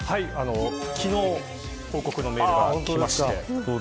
昨日報告のメールがきまして。